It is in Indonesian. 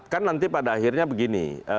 kan nanti pada akhirnya begini